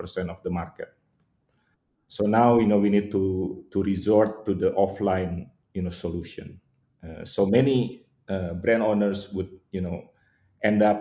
challenger dari seratus hingga lima ratus juta rupiah dan kemudian mainstream lebih dari lima ratus juta juta